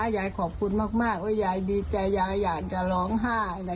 ยายขอบคุณมากว่ายายดีใจยายอยากจะร้องไห้